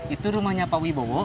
itu rumahnya pak wibowo